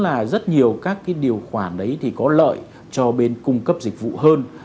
là rất nhiều các cái điều khoản đấy thì có lợi cho bên cung cấp dịch vụ hơn